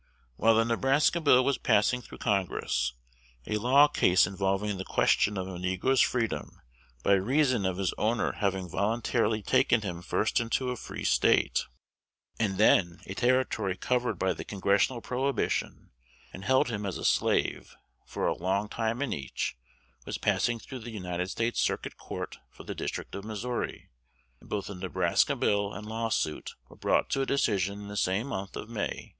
While the Nebraska Bill was passing through Congress, a law case involving the question of a negro's freedom, by reason of his owner having voluntarily taken him first into a Free State, and then a Territory covered by the congressional prohibition, and held him as a slave, for a long time in each, was passing through the United States Circuit Court for the District of Missouri; and both the Nebraska Bill and lawsuit were brought to a decision in the same month of May, 1854.